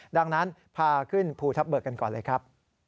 ดังนั้นพาขึ้นภูทับเบิกกันก่อนเลยครับ